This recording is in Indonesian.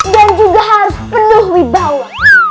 dan juga harus penuh wibawa